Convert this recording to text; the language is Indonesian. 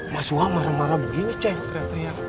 mas waw marah marah begini ceng teriak teriak